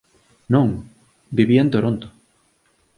Non. Vivía en Toronto.